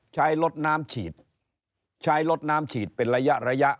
ใช้รถน้ำฉีดใช้รถน้ำฉีดเป็นระยะระยะ